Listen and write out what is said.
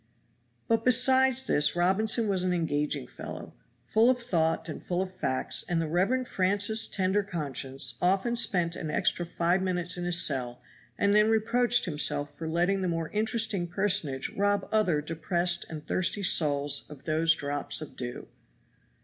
But besides this Robinson was an engaging fellow, full of thought and full of facts, and the Rev. Francis Tender Conscience often spent an extra five minutes in his cell and then reproached himself for letting the more interesting personage rob other depressed and thirsty souls of those drops of dew.